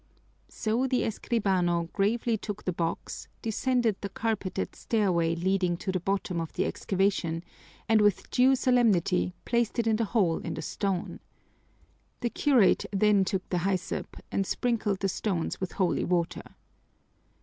So the escribano gravely took the box, descended the carpeted stairway leading to the bottom of the excavation and with due solemnity placed it in the hole in the stone. The curate then took the hyssop and sprinkled the stones with holy water.